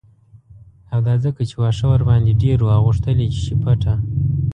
او دا ځکه چې واښه ورباندې ډیر و او غوښتل یې چې شي پټه